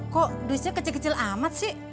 kok dusnya kecil kecil amat sih